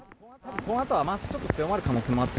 このあと、雨足ちょっと強まる可能性があって。